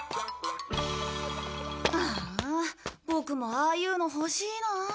ああボクもああいうの欲しいな。